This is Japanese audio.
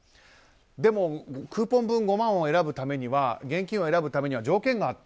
でも、クーポン分５万現金を選ぶためには条件があった。